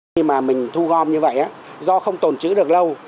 khi mà mình thu gom như vậy á do không tồn chữ được lâu